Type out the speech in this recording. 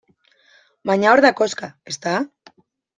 Baina hor da koxka, ezta?